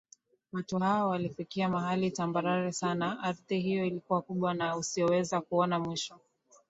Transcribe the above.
Watu hawa walifika mahali tambarare sana Ardhi hiyo ilikuwa kubwa na usioweza kuona mwisho